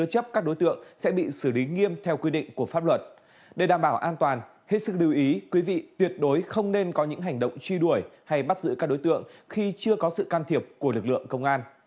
hết sức điều ý quý vị tuyệt đối không nên có những hành động truy đuổi hay bắt giữ các đối tượng khi chưa có sự can thiệp của lực lượng công an